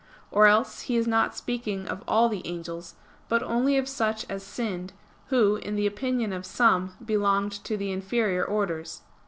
Or else he is not speaking of all the angels; but only of such as sinned, who, in the opinion of some, belonged to the inferior orders.